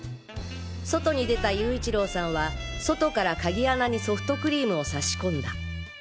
外に出た勇一郎さんは外から鍵穴にソフトクリームを差し込んだ。